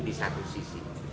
di satu sisi